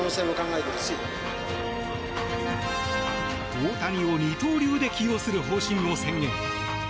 大谷を二刀流で起用する方針を宣言。